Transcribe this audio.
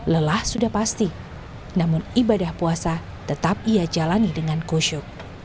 lelah sudah pasti namun ibadah puasa tetap ia jalani dengan khusyuk